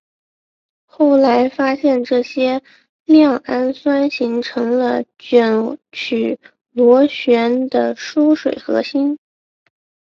后来发现这些亮氨酸形成了卷曲螺旋的疏水核心。